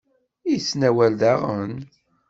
Yettnawal daɣen?